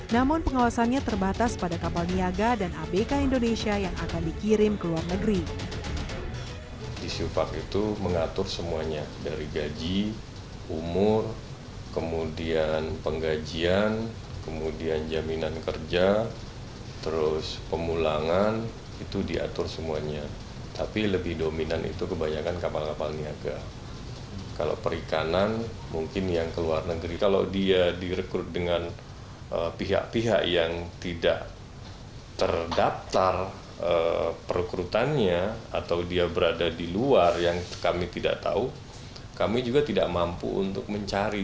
namun pengawasannya terbatas pada kapal niaga dan abk indonesia yang akan dikirim ke luar negeri